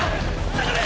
下がれ！